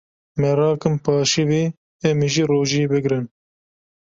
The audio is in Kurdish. Me rakin paşîvê em ê jî rojiyê bigrin.